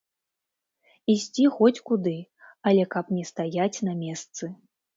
Ісці хоць куды, але каб не стаяць на месцы.